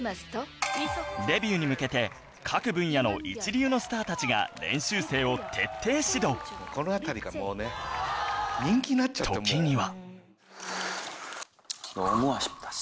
デビューに向けて各分野の一流のスターたちが練習生を徹底指導時には